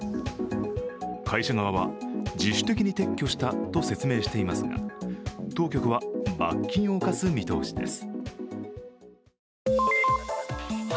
会社側は自主的に撤去したと説明していますが当局は罰金を科す見通しです。